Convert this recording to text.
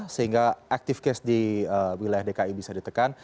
sehingga active case di wilayah dki bisa ditekan